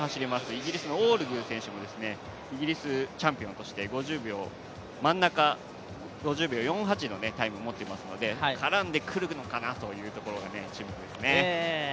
イギリスのオールグー選手もイギリスチャンピオンとして５０秒、真ん中、５０秒４８のタイムを持っていますので絡んでくるのかなというところが注目ですね。